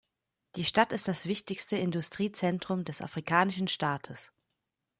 Die Stadt ist das wichtigste Industriezentrum des afrikanischen Staates.